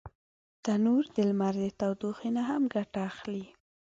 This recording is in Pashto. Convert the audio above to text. تنور د لمر د تودوخي نه هم ګټه اخلي